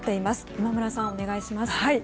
今村さん、お願いします。